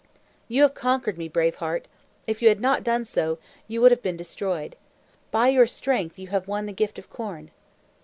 "You have conquered me, Brave Heart. If you had not done so, you would have been destroyed. By your strength, you have won the Gift of Corn."